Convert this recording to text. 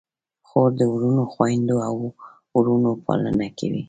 خور د وړو خویندو او وروڼو پالنه کوي.